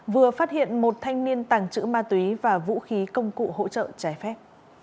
vừa phát hiện một thanh niên tàng trữ ma túy và vũ khí công cụ hỗ trợ trái phép